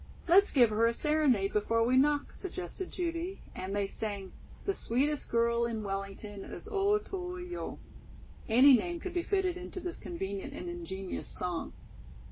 "Let's give her a serenade before we knock," suggested Judy, and they sang: "The sweetest girl in Wellington is O to yo." Any name could be fitted into this convenient and ingenious song.